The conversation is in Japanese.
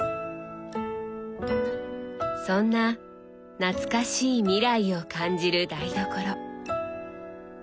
そんな「懐かしい未来」を感じる台所。